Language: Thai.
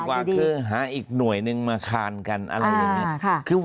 ใหญ่กว่าคือหาอีกหน่วยหนึ่งมาคานกันอะไรยะแล้ว